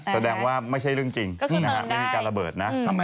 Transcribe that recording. แสดงว่าไม่ใช่เรื่องจริงไม่มีการระเบิดนะ